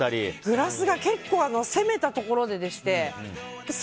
グラスが結構攻めたところでして。